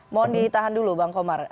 mohon ditahan dulu bang komar